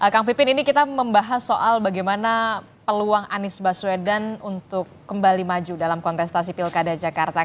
kang pipin ini kita membahas soal bagaimana peluang anies baswedan untuk kembali maju dalam kontestasi pilkada jakarta